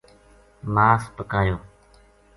مااس پکایو